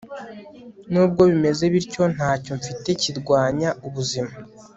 Nubwo bimeze bityo ntacyo mfite kirwanya ubuzima